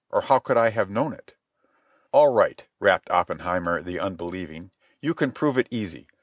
"Or how could I have known it?" "All right," rapped Oppenheimer the unbelieving. "You can prove it easy.